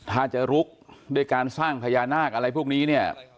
ถ้าจะลุกด้วยการสร้างพญานาคอะไรพวกนี้เนี่ย